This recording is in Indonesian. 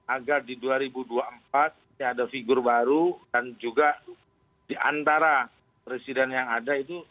agar di dua ribu dua puluh empat ada figur baru dan juga di antara presiden yang ada itu